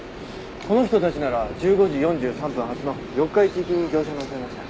この人たちなら１５時４３分発の四日市行きに乗車なさいました。